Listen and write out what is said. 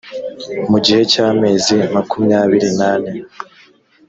mu gihe cy amezi makumyabiri n ane